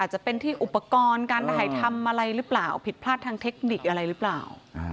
จะเป็นที่อุปกรณ์การถ่ายทำอะไรหรือเปล่าผิดพลาดทางเทคนิคอะไรหรือเปล่า